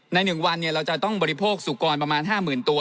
ใน๑วันเราจะต้องบริโภคสุกรประมาณ๕๐๐๐ตัว